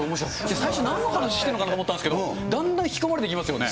最初なんの話してるのかなと思ったんですけれども、だんだん引き込まれていきますよね。